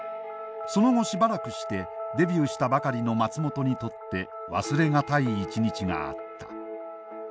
その後しばらくしてデビューしたばかりの松本にとって忘れ難い一日があった。